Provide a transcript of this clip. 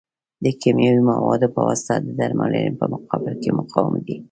د کیمیاوي موادو په واسطه د درملنې په مقابل کې مقاوم دي.